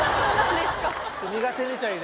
苦手みたいで。